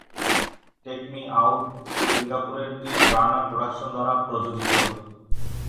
Take me out সিঙ্গাপুরের team Garner production দ্বারা প্রযোজিত।